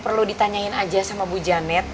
perlu ditanyain aja sama bu janet